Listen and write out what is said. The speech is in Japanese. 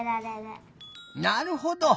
なるほど！